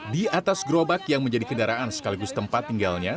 di atas gerobak yang menjadi kendaraan sekaligus tempat tinggalnya